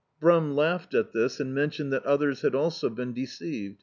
Brum lauded at this, and mentioned that others had also been deceived.